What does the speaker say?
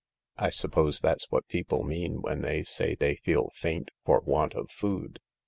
I suppose that's what people mean when they say they feel faint for want of food.